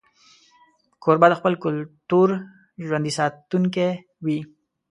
کوربه د خپل کلتور ژوندي ساتونکی وي.